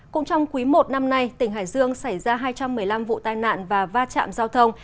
cũng trong quý i năm nay tỉnh hải dương xảy ra hai trăm một mươi năm vụ tai nạn và va chạm giao thông